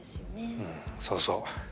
うんそうそう。